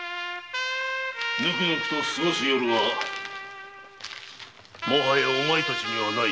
ぬくぬくとすごす夜はもはやお前たちにはない。